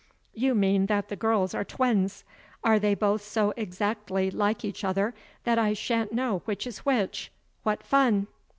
You mean that the girls are twins. Are they both so exactly like each other that I shan't know which is which? What fun!"